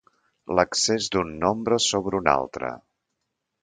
L'excés d'un nombre sobre un altre.